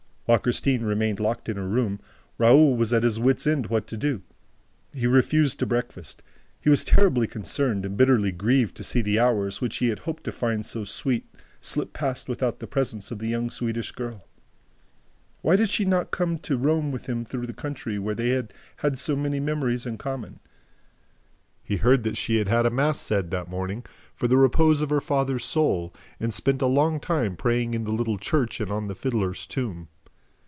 While Christine remained locked in her room, Raoul was at his wit's end what to do. He refused to breakfast. He was terribly concerned and bitterly grieved to see the hours, which he had hoped to find so sweet, slip past without the presence of the young Swedish girl. Why did she not come to roam with him through the country where they had so many memories in common? He heard that she had had a mass said, that morning, for the repose of her father's soul and spent a long time praying in the little church and on the fiddler's tomb.